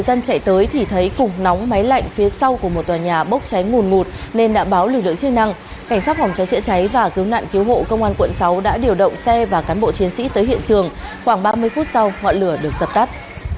khoảng ba mươi phút sau họa lửa được sật tắt